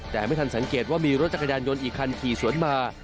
แต่ไม่ทันสังเกตว่ามีรถจักรยานยนต์อีกคันขี่สวนมา